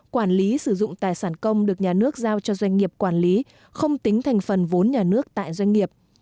quản lý sử dụng tài sản công được nhà nước giao cho doanh nghiệp quản lý không tính thành phần vốn nhà nước tại doanh nghiệp